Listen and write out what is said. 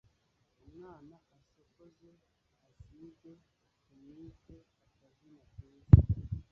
umwana asokoze asigwe tumwite akazina keza